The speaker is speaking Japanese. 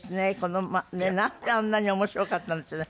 なんであんなに面白かったんでしょうね。